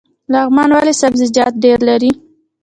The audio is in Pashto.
لغمان ولې سبزیجات ډیر لري؟